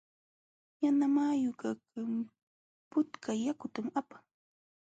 Yanamayukaq putka yakuta apan.